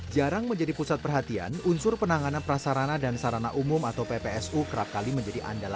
jangan lupa like share dan subscribe channel ini untuk dapat info terbaru